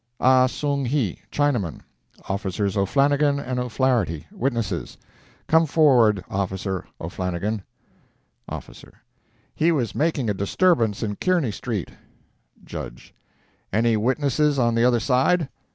"Ah Song Hi, Chinaman. Officers O'Flannigan and O'Flaherty, witnesses. Come forward, Officer O'Flannigan." OFFICER "He was making a disturbance in Kearny street." JUDGE "Any witnesses on the other side?"